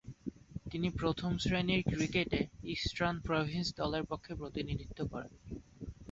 তিনি প্রথম-শ্রেণীর ক্রিকেটে ইস্টার্ন প্রভিন্স দলের পক্ষে প্রতিনিধিত্ব করেন।